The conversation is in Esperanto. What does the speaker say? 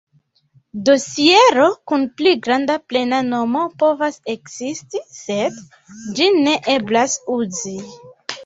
Dosiero kun pli granda plena nomo povas ekzisti, sed ĝin ne eblas uzi.